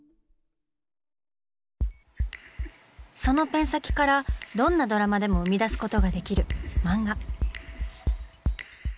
そのペン先からどんなドラマでも生み出すことができる「漫画」。